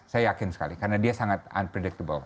saya yakin sekali karena dia sangat unpredictable